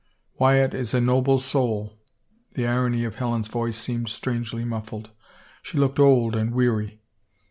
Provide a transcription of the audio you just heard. Wyatt is a noble soul." The irony of Helen's voice seemed strangely muffled. She looked old and weary.